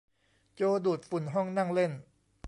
โจดูดฝุ่นห้องนั่งเล่น